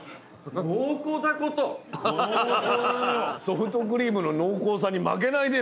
ソフトクリームの濃厚さに負けないね